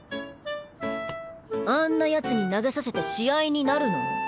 あんな奴に投げさせて試合になるの！？